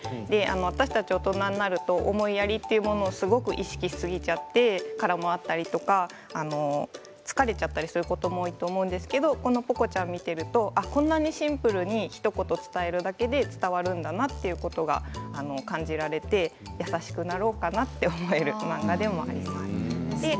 私たち、大人になると思いやりというものをすごく意識しすぎてしまってから回ったりとか疲れちゃったりすることも多いと思うんですけどポコちゃんを見ているとこんなにシンプルにひと言伝えるだけで伝わるんだなということを感じられて優しくなろうかなと思える漫画でもあります。